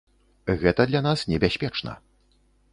Гэта для нас небяспечна.